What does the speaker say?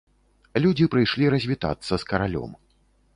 Людзі прыйшлі развітацца з каралём.